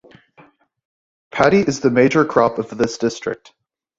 Paddy is the major crop of this district.